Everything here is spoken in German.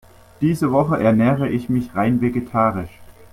Diese Woche ernähre ich mich rein vegetarisch.